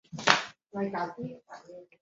卸载军资后班宁顿号在夏威夷近海训练。